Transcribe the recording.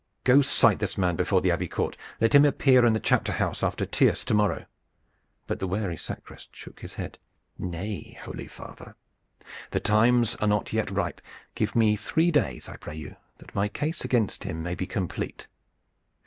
Go, cite this man before the Abbey court. Let him appear in the chapter house after tierce to morrow." But the wary sacrist shook his head: "Nay, holy father, the times are not yet ripe. Give me three days, I pray you, that my case against him may be complete.